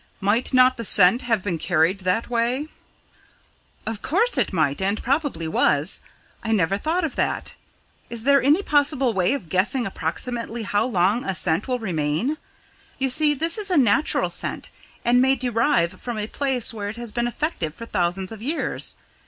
Might not the scent have been carried that way?" "Of course it might, and probably was. I never thought of that. Is there any possible way of guessing approximately how long a scent will remain? You see, this is a natural scent, and may derive from a place where it has been effective for thousands of years.